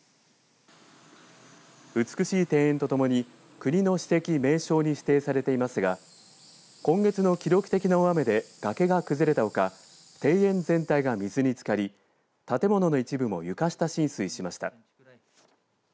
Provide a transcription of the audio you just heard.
美しい庭園とともに国の史跡、名勝に指定されていますが今月の記録的な大雨で崖が崩れたほか庭園全体が水につかり建物の一部も床下浸水しました。